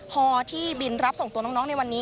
พอที่บินรับส่งตัวน้องในวันนี้